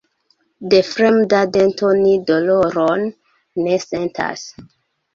De fremda dento ni doloron ne sentas.